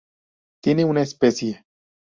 Tiene una especie.